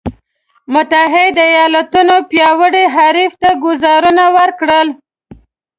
متحدو ایالتونو پیاوړي حریف ته ګوزارونه ورکړل.